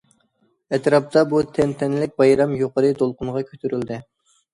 ئەتراپتا بۇ تەنتەنىلىك بايرام يۇقىرى دولقۇنغا كۆتۈرۈلدى.